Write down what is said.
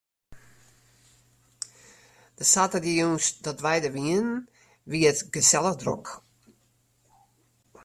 De saterdeitejûns dat wy der wiene, wie it gesellich drok.